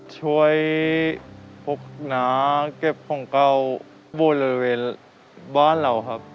ช่วยพกน้าเก็บของเก่าบริเวณบ้านเราครับ